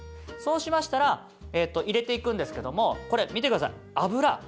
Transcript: そうしましたら入れていくんですけどもこれ見てください。